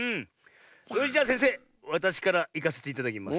それじゃせんせいわたしからいかせていただきます。